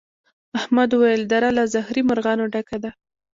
احمد وويل: دره له زهري مرغانو ډکه ده.